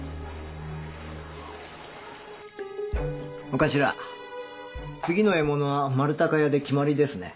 お頭次の獲物は丸高屋で決まりですね。